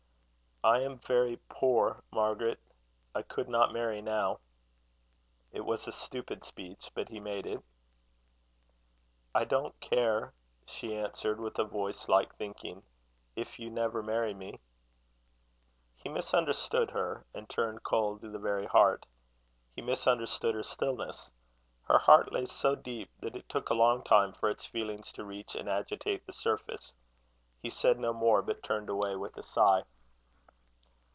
"I am very poor, Margaret. I could not marry now." It was a stupid speech, but he made it. "I don't care," she answered, with a voice like thinking, "if you never marry me." He misunderstood her, and turned cold to the very heart. He misunderstood her stillness. Her heart lay so deep, that it took a long time for its feelings to reach and agitate the surface. He said no more, but turned away with a sigh.